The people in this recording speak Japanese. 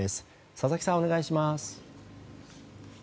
佐々木さん、お願いします。